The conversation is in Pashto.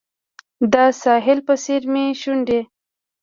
د ساحل په څیر مې شونډې